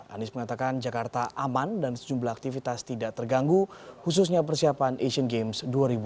anies mengatakan jakarta aman dan sejumlah aktivitas tidak terganggu khususnya persiapan asian games dua ribu delapan belas